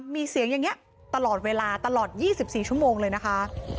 มีเสียงอย่างเงี้ยตลอดเวลาตลอดยี่สิบสี่ชั่วโมงเลยนะคะ